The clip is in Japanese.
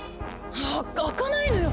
あっ開かないのよ！